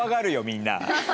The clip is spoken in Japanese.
みんな。